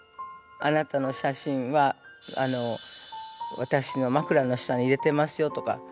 「あなたの写真は私のまくらの下に入れてますよ」とか。